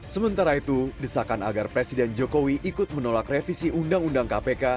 sementara itu desakan agar presiden jokowi ikut menolak revisi undang undang kpk